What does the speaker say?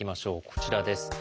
こちらです。